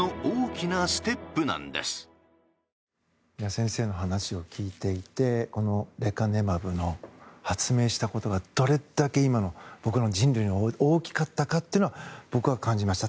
先生の話を聞いていてレカネマブを発明したことがどれだけ今の僕らの人類に大きかったかというのは僕は感じました。